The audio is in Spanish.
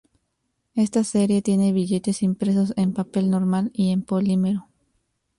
Esta serie tiene billetes impresos en papel normal y en polímero.